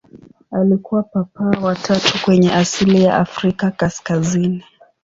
Alikuwa Papa wa tatu mwenye asili ya Afrika kaskazini.